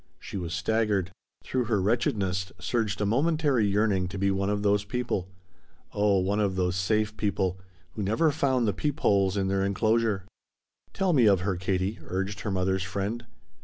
She was staggered. Through her wretchedness surged a momentary yearning to be one of those people oh, one of those safe people who never found the peep holes in their enclosure! "Tell me of her, Katie," urged her mother's friend.